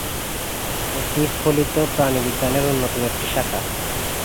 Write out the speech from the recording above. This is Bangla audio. এটি ফলিত প্রাণিবিজ্ঞান এর অন্যতম একটি শাখা।